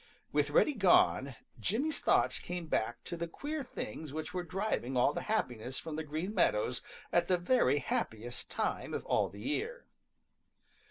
With Reddy gone, Jimmy's thoughts came back to the queer things which were driving all the happiness from the Green Meadows at the very happiest time of all the year.